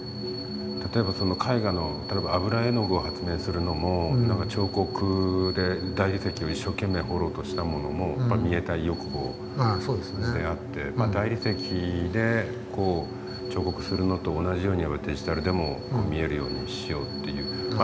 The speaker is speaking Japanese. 例えば絵画の油絵の具を発明するのも彫刻で大理石を一生懸命彫ろうとしたものもやっぱり見えたい欲望であって大理石で彫刻するのと同じようにデジタルでも見えるようにしようって。